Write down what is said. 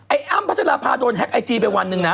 ไอ้อ้ำพัชลาภาโดนแฮกไอจีไปวันนึงนะ